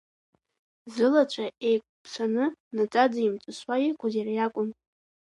Зылацәа еиқәԥсаны, наӡаӡа имҵысуа иқәыз иара иакәын.